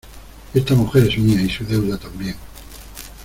esta mujer es mía, y su deuda también.